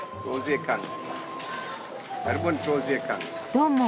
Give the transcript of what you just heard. どうも。